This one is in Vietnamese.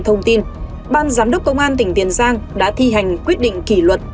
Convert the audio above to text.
thông tin ban giám đốc công an tỉnh tiền giang đã thi hành quyết định kỷ luật